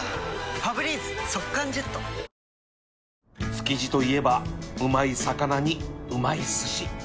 築地といえばうまい魚にうまいすし